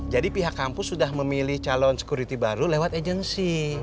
jadi pihak kampus sudah memilih calon sekuriti baru lewat agensi